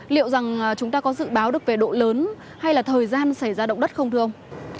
liệu rằng chúng ta có dự báo được về độ lớn hay là thời gian xảy ra động đất không thưa ông